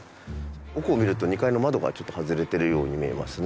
奥を見ると２階の窓がちょっと外れてるように見えますね。